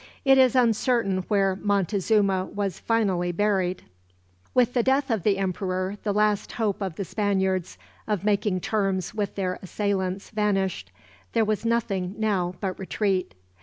It is uncertain where Montezuma was finally buried. With the death of the emperor, the last hope of the Spaniards of making terms with their assailants vanished. There was nothing, now, but retreat.